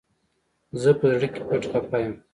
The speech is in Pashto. زه په زړه کي پټ خپه يم